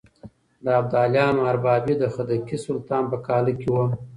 د ابدالیانو اربابي د خدکي سلطان په کاله کې وه.